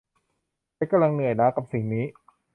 ฉันกำลังเหนื่อยล้ากับสิ่งนี้